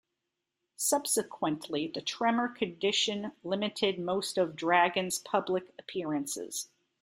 Subsequently, the tremor condition limited most of Dragon's public appearances.